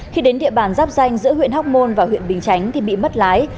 khi đến địa bàn giáp danh giữa huyện hóc môn và huyện bình chánh thì bị mất lái